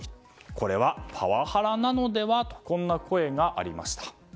これはパワハラなのではとこんな声がありました。